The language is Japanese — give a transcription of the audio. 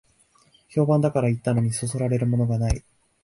評判だから行ったのに、そそられるものがない